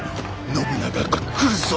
信長が来るぞ。